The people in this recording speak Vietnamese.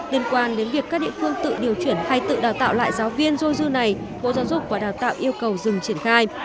liên quan đến việc các địa phương tự điều chuyển hay tự đào tạo lại giáo viên dôi dư này bộ giáo dục và đào tạo yêu cầu dừng triển khai